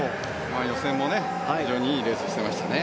予選も非常にいいレースしていましたね。